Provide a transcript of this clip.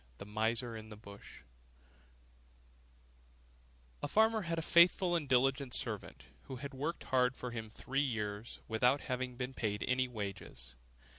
THE MISER IN THE BUSH A farmer had a faithful and diligent servant, who had worked hard for him three years, without having been paid any wages.